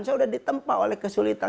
saya sudah ditempa oleh kesulitan